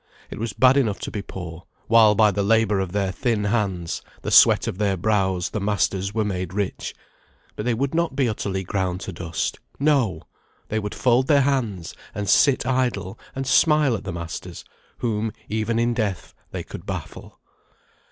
It was bad enough to be poor, while by the labour of their thin hands, the sweat of their brows, the masters were made rich; but they would not be utterly ground down to dust. No! they would fold their hands, and sit idle, and smile at the masters, whom even in death they could baffle.